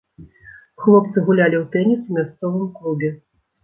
Хлопцы гулялі ў тэніс у мясцовым клубе.